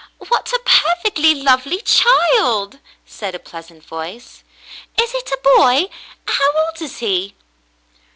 "What a perfectly lovely child !" said a pleasant voice. "Is it a boy.? How old is he.?"